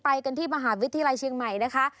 ไปกันที่มหาวิทยาลัยเชียงใหม่นะคะ